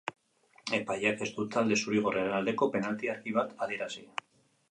Epaileak ez du talde zuri-gorriaren aldeko penalti argi bat adierazi.